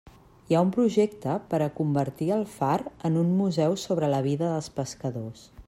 Hi ha un projecte per a convertir el far en un museu sobre la vida dels pescadors.